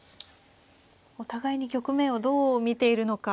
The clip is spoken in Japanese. お互いに局面をどう見ているのか。